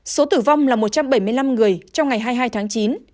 số tử vong là một trăm bảy mươi năm người trong ngày hai mươi hai tháng chín